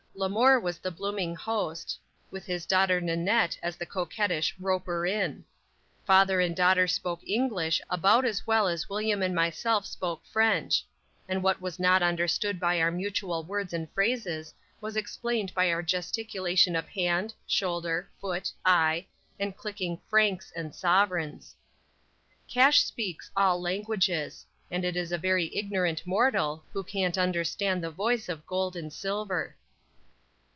LeMour was the blooming host, with his daughter Nannette as the coquettish "roper in." Father and daughter spoke English about as well as William and myself spoke French; and what was not understood by our mutual words and phrases was explained by our gesticulation of hand, shoulder, foot, eye, and clinking "francs" and "sovereigns." Cash speaks all languages, and it is a very ignorant mortal who can't understand the voice of gold and silver.